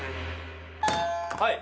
はい。